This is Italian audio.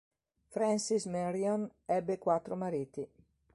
Frances Marion ebbe quattro mariti.